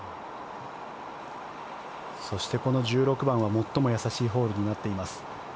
そして、この１６番は最も易しいホールになっています。